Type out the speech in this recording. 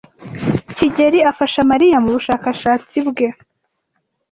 kigeli afasha Mariya mubushakashatsi bwe.